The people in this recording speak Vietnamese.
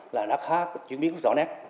là nó khá chuyển biến rõ nét